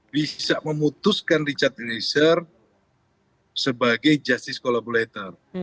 bisa memutuskan richard eliezer sebagai justice collaborator